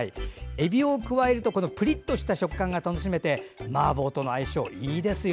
えびを加えるとプリッとした食感が楽しめてマーボーとの相性いいですよ。